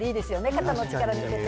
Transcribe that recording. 肩の力抜けて。